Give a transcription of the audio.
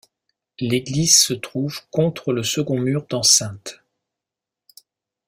L'église se trouve contre le second mur d'enceinte.